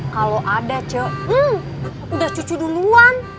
kalo ada cuy hmm udah cucu duluan